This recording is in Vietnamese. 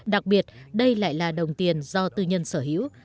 đặc biệt đây lại là đồng tiền do tư nhân sở hữu